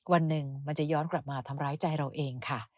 วันหนึ่งมันจะย้อนกลับมาทำร้ายใจเราเองค่ะ